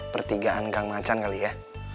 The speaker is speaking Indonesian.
pertigaan kang macan kali ya